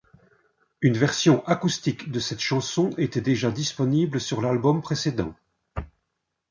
Une version acoustique de cette chanson était déjà disponible sur l’album précédent.